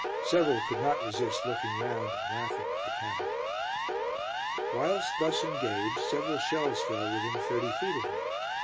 Several could not resist looking round and laughing at the camera. Whilst thus engaged, several shells fell within thirty feet of me.